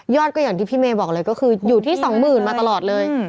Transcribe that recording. ก็อย่างที่พี่เมย์บอกเลยก็คืออยู่ที่๒๐๐๐มาตลอดเลย